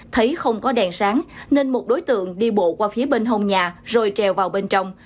thấy không có đèn sáng nên một đối tượng đi bộ qua phía bên hông nhà rồi trèo vào bên trong